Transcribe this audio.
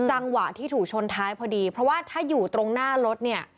จังหวะที่ถูกชนท้ายพอดีเพราะว่าถ้าอยู่ตรงหน้ารถเนี่ย